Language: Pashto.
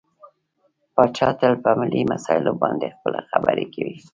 پاچا تل په ملي مسايلو باندې خپله خبرې کوي .